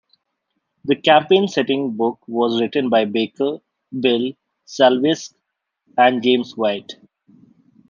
The campaign setting book was written by Baker, Bill Slavicsek, and James Wyatt.